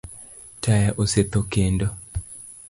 Taya osetho kendo?